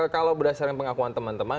kalau berdasarkan pengakuan teman teman